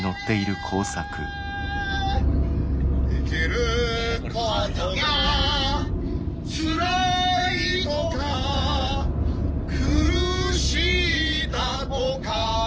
「生きる事がつらいとか苦しいだとかいう前に」